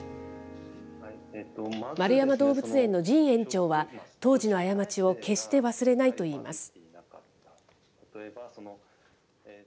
円山動物園の神園長は、当時の過ちを決して忘れないといいます。